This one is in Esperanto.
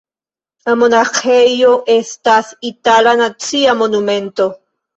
La monaĥejo estas itala nacia monumento.